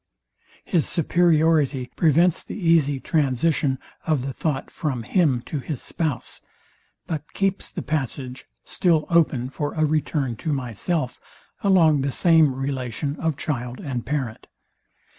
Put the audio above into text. His superiority prevents the easy transition of the thought from him to his spouse, but keeps the passage still open for a return to myself along the same relation of child and parent.